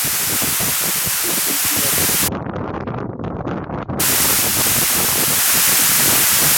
Su última esposa fue Ka Ho Cho.